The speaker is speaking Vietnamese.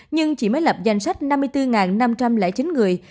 nhưng chỉ mới lập danh sách năm mươi bốn năm trăm linh chín người